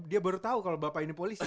dia baru tahu kalau bapak ini polisi